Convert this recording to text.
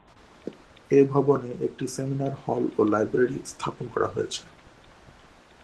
এ ভবনে একটি seminar hall ও লাইব্রেরি স্থাপন করা হয়েছে।